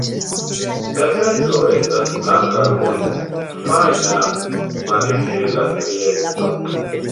La ventro estas blanka kun fajna malhela strieco.